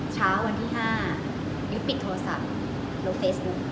เช้าวันที่๕ยุบปิดโทรศัพท์ลงเฟซบุ๊ค